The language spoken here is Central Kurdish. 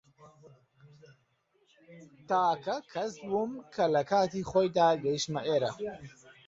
تاکە کەس بووم کە لە کاتی خۆیدا گەیشتمە ئێرە.